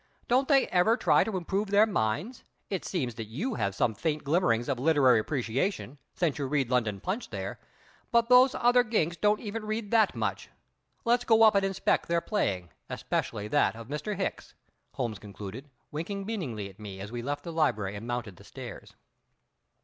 Don't they ever try to improve their minds! It seems that you have some faint glimmerings of literary appreciation, since you read London Punch there, but those other ginks don't even read that much! Let's go up and inspect their playing, especially that of Mr. Hicks," Holmes concluded, winking meaningly at me, as we left the library and mounted the stairs.